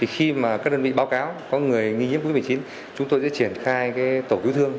khi mà các đơn vị báo cáo có người nghi nhiễm covid một mươi chín chúng tôi sẽ triển khai tổ cứu thương